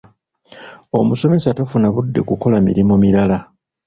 Omusomesa tafuna budde kukola mirimu mirala.